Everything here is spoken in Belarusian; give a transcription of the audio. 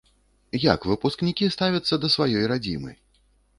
Як выпускнікі ставяцца да сваёй радзімы?